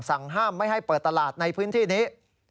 สั่งห้ามไม่ให้เปิดตลาดในพื้นที่นี้